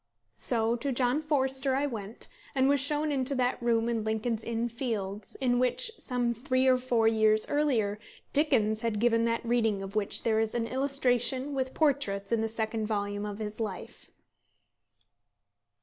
So to John Forster I went, and was shown into that room in Lincoln's Inn Fields in which, some three or four years earlier, Dickens had given that reading of which there is an illustration with portraits in the second volume of his life.